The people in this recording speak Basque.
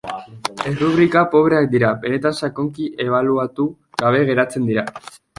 Errubrika pobreak dira, benetan sakonki ebaluatu gabe geratzen dira.